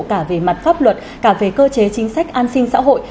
cả về mặt pháp luật cả về cơ chế chính sách an sinh xã hội